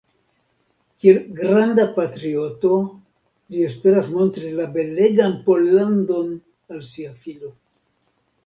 Kiel granda patrioto li esperas montri la belegan Pollandon al sia filo.